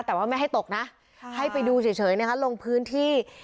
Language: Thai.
แต่ว่าไม่ให้ตกนะให้ไปดูเฉยนะคะลงพื้นที่